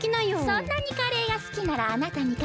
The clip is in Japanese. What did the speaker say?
そんなにカレーがすきならあなたにかけてあげる。